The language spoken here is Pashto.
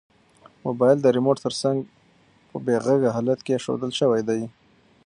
موبایل د ریموټ تر څنګ په بې غږه حالت کې ایښودل شوی دی.